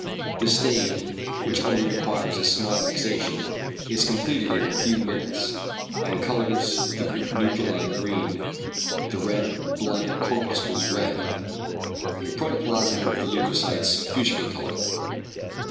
The stain, which only requires a small fixation, is completed in a few minutes, and colours the nuclei green, the red blood corpuscles red, the protoplasm of the leucocytes fuchsin colour.